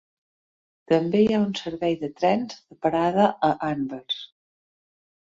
També hi ha un servei de trens de parada a Anvers.